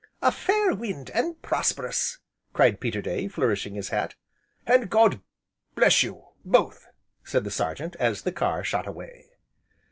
"A fair wind, and prosperous!" cried Peterday, flourishing his hat. "And God bless you both!" said the Sergeant as the car shot away.